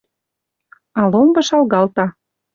А ломбы шалгалта